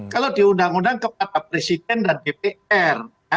kalau diundang undang kepada presiden dan dpr